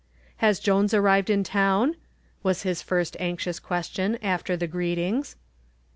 "Has Jones arrived in town?" was his first anxious question after the greetings.